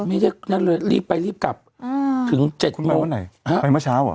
ไม่ได้นั่นเลยรีบไปรีบกลับอ่าถึงเจ็ดโมงคุณแม่ว่าไหนไปเมื่อเช้าอ่ะ